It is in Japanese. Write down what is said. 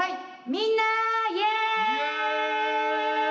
みんなイエイ！